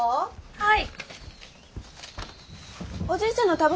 はい。